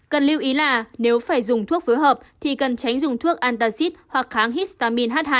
cần lưu ý là nếu phải dùng thuốc phối hợp thì cần tránh dùng thuốc antasite hoặc kháng histamin h hai